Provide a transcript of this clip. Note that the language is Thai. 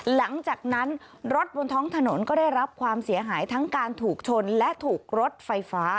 หลังจากนั้นรถบนท้องถนนก็ได้รับความเสียหายทั้งการถูกชนและถูกรถไฟฟ้า